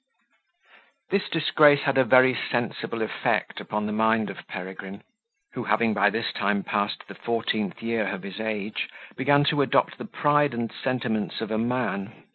This disgrace had a very sensible effect upon the mind of Peregrine, who, having by this time, passed the fourteenth year of his age, began to adopt the pride and sentiments of a man.